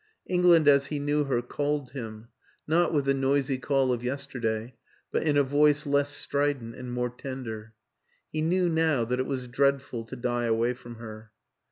England as he knew her called him, not with the noisy call of yesterday, but in a voice less strident and more tender; he knew now that it was dreadful to die away from her.